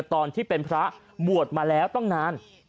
ตอนที่เป็นพระบวชมาแล้วตั้งนาน